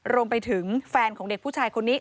รวมไปถึงแฟนของเด็กผู้ชายคนนี้